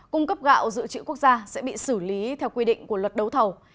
cung cấp gạo dự trữ quốc gia sẽ bị xử lý theo quy định của luật đấu thầu